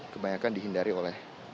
kebanyakan dihindari oleh